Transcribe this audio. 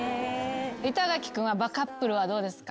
板垣君はバカップルはどうですか？